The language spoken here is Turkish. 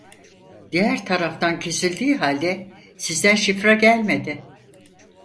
Diğer taraftan kesildiği halde sizden şifre gelmedi